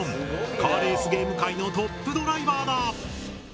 カーレースゲーム界のトップドライバーだ。